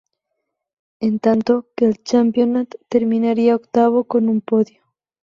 En tanto que en el Championnat terminaría octavo con un podio.